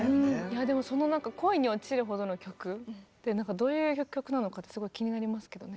でもその恋に落ちるほどの曲ってどういう曲なのかってすごい気になりますけどね。